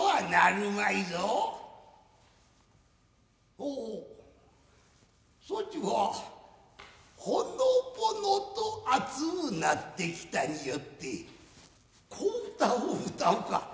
おおっそちはほのぼのと熱うなってきたによって小唄をうたうか。